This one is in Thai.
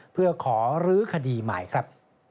เพื่อขอรื้อคดีใหม่ครับ